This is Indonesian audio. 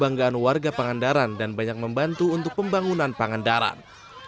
banggaan warga pangandaran dan banyak membantu untuk pembangunan pangandaran